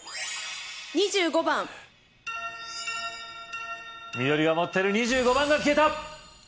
２５番緑が持っている２５番が消えた！